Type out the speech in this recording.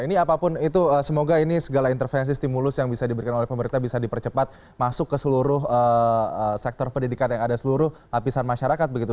ini apapun itu semoga ini segala intervensi stimulus yang bisa diberikan oleh pemerintah bisa dipercepat masuk ke seluruh sektor pendidikan yang ada seluruh lapisan masyarakat begitu